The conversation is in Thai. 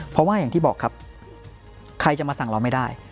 เพราะว่าอย่างที่บอกครับใครจะมาสั่งเราไม่ได้